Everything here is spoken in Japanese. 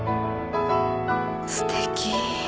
すてき。